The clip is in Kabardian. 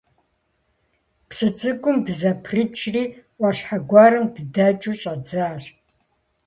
Псы цӀыкӀум дызэпрыкӀри, Ӏуащхьэ гуэрым дыдэкӀыу щӀэддзащ.